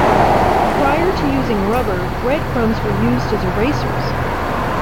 Prior to using rubber, breadcrumbs were used as erasers.